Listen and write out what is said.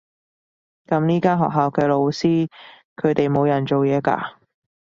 噉呢間學校嘅老師，佢哋冇人做嘢㗎？